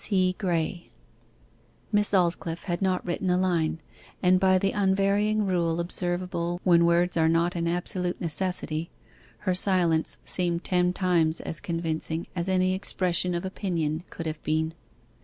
'C. GRAYE.' Miss Aldclyffe had not written a line, and, by the unvarying rule observable when words are not an absolute necessity, her silence seemed ten times as convincing as any expression of opinion could have been.